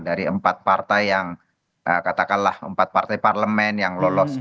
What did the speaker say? dari empat partai yang katakanlah empat partai parlemen yang lolos